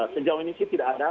sejauh ini tidak ada